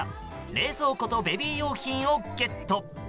冷蔵庫と、ベビー用品をゲット。